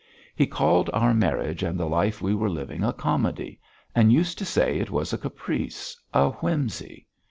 He called our marriage and the life we were living a comedy, and used to say it was a caprice, a whimsy.